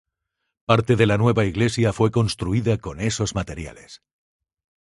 Parte de la nueva iglesia fue construida con esos materiales.